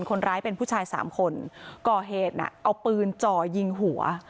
คนร้ายเป็นผู้ชายสามคนก่อเหตุน่ะเอาปืนจ่อยิงหัว